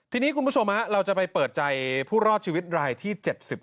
ทีนี้คุณผู้ชมเราจะไปเปิดใจผู้รอดชีวิตรายที่๗๘